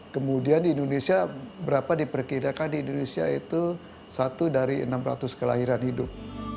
kemudian di indonesia berapa diperkirakan di indonesia itu satu dari enam ratus kelahiran hidup